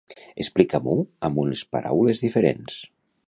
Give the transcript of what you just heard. Explica-m'ho amb unes paraules diferents.